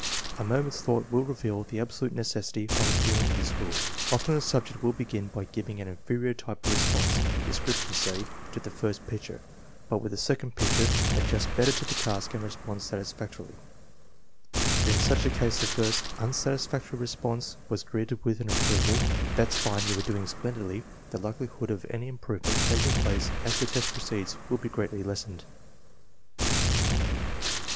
A moment's thought will reveal the absolute necessity of adhering to this rule. Often a subject will begin by giving an inferior type of response (description, say) to the first picture, but with the second picture adjusts better to the task and responds satis factorily. If in such a case the first (unsatisfactory) re sponse were greeted with an approving " That's fine, you are doing splendidly," the likelihood of any improvement taking place as the test proceeds would be greatly lessened.